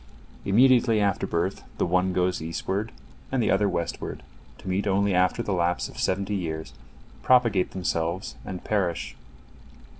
Immediately after birth, the one goes eastward and the other westward, to meet only after the lapse of seventy years, propagate themselves, and perish.